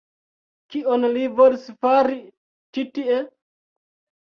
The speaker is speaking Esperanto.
Kion li volis fari ĉi tie?